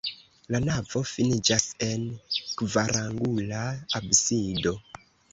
La navo finiĝas en kvarangula absido.